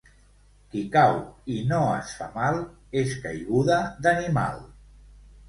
Qui cau i no es fa mal, és caiguda d'animal.